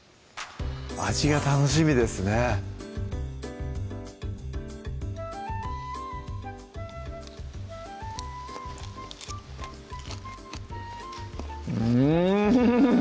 味が楽しみですねうん！